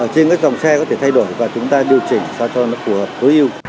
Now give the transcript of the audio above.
trên cái dòng xe có thể thay đổi và chúng ta điều chỉnh cho nó phù hợp với ưu